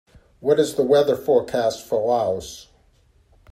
What is the weather forecast for Laos